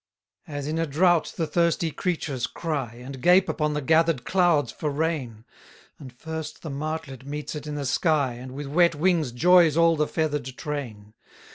110 As in a drought the thirsty creatures cry, And gape upon the gather'd clouds for rain, And first the martlet meets it in the sky, And with wet wings joys all the feather'd train.